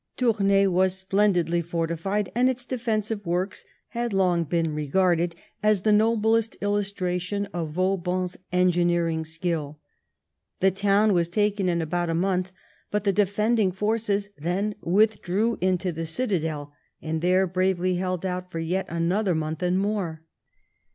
Tournay was splendidly fortified, and its defen sive works had long been regarded as the noblest illustration of Vauban's engineering skill. The town was taken in about a month, but the defend ing forces then withdrew into the citadel, and there bravely held out for yet another month and more.